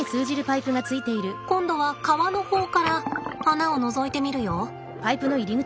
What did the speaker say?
今度は川の方から穴をのぞいてみるよ。